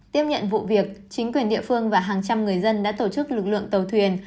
tiếp nhận vụ việc chính quyền địa phương và hàng trăm người dân đã tổ chức lực lượng tàu thuyền